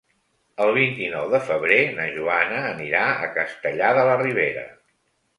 El vint-i-nou de febrer na Joana anirà a Castellar de la Ribera.